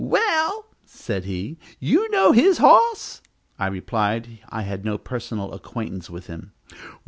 "Well," said he, "you know his horse?" I replied that I had no personal acquaintance with him.